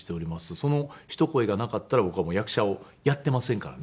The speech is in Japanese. そのひと声がなかったら僕は役者をやっていませんからね。